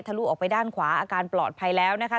ลุออกไปด้านขวาอาการปลอดภัยแล้วนะคะ